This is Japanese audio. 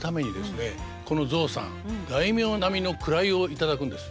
この象さん大名並みの位を頂くんです。